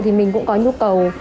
thì mình cũng có nhu cầu